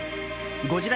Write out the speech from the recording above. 「ゴジラ」